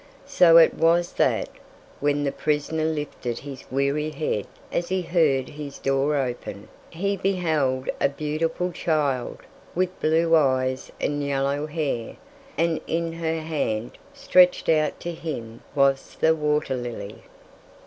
So it was that when the prisoner lifted his weary head as he heard his door open, he beheld a beautiful child with blue eyes and yellow hair, and in her hand stretched out to him was the water lily.